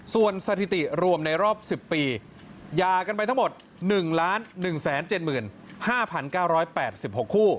ส่วนสถิติรวมในรอบ๑๐ปียากันไปทั้งหมด๑๑๗๕๙๘๖คู่